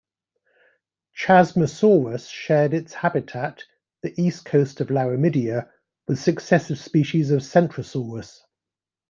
"Chasmosaurus" shared its habitat, the east coast of Laramidia, with successive species of "Centrosaurus".